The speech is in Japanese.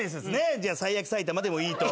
じゃあ最悪埼玉でもいいと。